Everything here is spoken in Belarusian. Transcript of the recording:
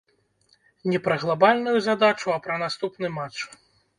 Не пра глабальную задачу, а пра наступны матч.